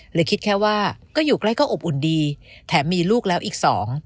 หรือคิดแค่ว่าก็อยู่ใกล้ก็อบอุ่นดีแถมมีลูกแล้วอีกสอง